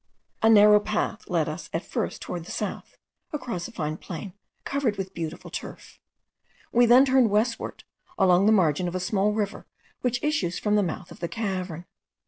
A narrow path led us at first towards the south, across a fine plain, covered with beautiful turf. We then turned westward, along the margin of a small river which issues from the mouth of the cavern.